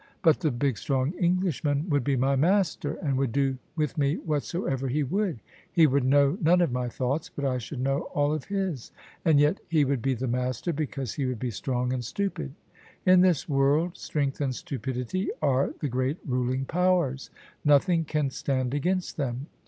But the big strong Englishman would be my master, and would do with me whatsoever he would. He would know none of my thoughts, but I should know all of his ; and yet he would be the master, because he would be strong and stupid. In this world strength and stupidity are the great ruling powers; nothing can stand against them.